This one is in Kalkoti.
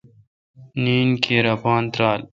نین کیر اپان تیرال۔